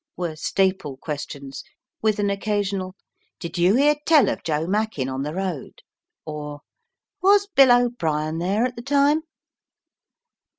were staple questions, with an occasional "Did you hear tell of Joe Mackin on the road?" or "Was Bill O'Brien there at the time?"